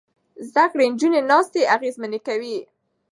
زده کړې نجونې ناستې اغېزمنې کوي.